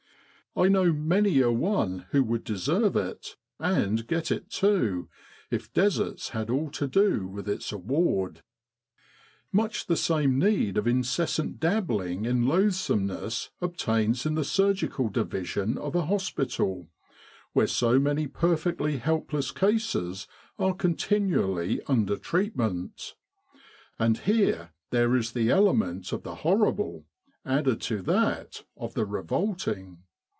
I know many a one who would deserve it; and get it, too, if deserts had all to do with its award. " Much the same need of incessant dabbling in loathsomeness obtains in tfre Surgical Division of a hospital, where so many perfectly helpless cases are continually under treatment; and here there is the element of the horrible added to that of the revolting.